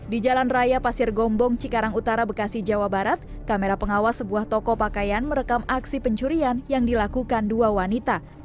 di jalan raya pasir gombong cikarang utara bekasi jawa barat kamera pengawas sebuah toko pakaian merekam aksi pencurian yang dilakukan dua wanita